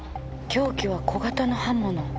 凶器は小型の刃物。